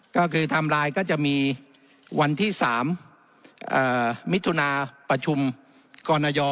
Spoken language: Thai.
ก็คือไทม์ไลน์ก็จะมีวันที่๓มิถุนาประชุมกรณย